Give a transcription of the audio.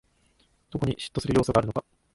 どこに嫉妬する要素があるのか